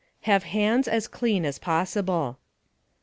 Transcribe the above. Have hands as clean as possible.